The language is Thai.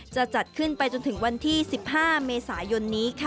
จะจัดขึ้นไปจนถึงวันที่๑๕เมษายนนี้ค่ะ